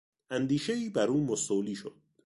اندیشهای بر او مستولی شد.